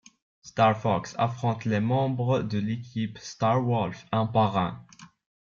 Star Fox affronte les membres de l'équipe Star Wolf un par un.